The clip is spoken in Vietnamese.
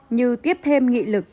như tiếp thêm nghị lực